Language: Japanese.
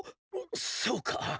そうか。